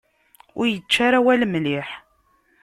Ur yečči ara awal mliḥ.